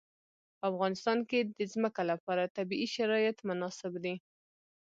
په افغانستان کې د ځمکه لپاره طبیعي شرایط مناسب دي.